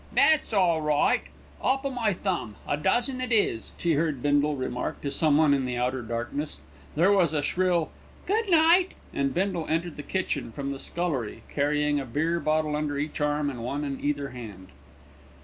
"That's all right, 'Op o' my thumb. A dozen it is," she heard Bindle remark to someone in the outer darkness. There was a shrill "Good night," and Bindle entered the kitchen from the scullery, carrying a beer bottle under each arm and one in either hand.